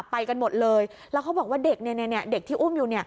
ไปกันหมดเลยแล้วเขาบอกว่าเด็กที่อุ้มอยู่